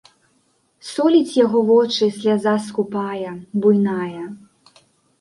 Соліць яго вочы сляза скупая, буйная.